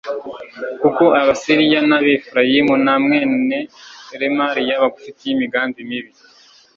kuko abasiriya n'abefurayimu na mwene remaliya bagufitiye imigambi mibi